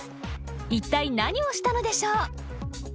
［いったい何をしたのでしょう？］